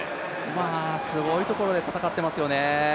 すごいところで戦ってますよね。